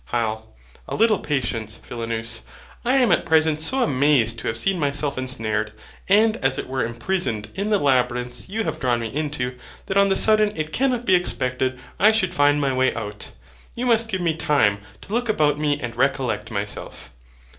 HYL. A little patience, Philonous. I am at present so amazed to see myself ensnared, and as it were imprisoned in the labyrinths you have drawn me into, that on the sudden it cannot be expected I should find my way out. You must give me time to look about me and recollect myself.